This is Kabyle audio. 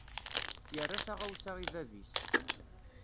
Yerra taɣawsa i bab-is.